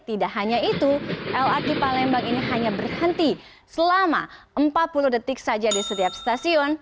tidak hanya itu lrt palembang ini hanya berhenti selama empat puluh detik saja di setiap stasiun